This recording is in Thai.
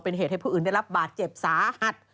เป็นเหตุให้ผู้อื่นได้รับบาดเจ็บสาหัส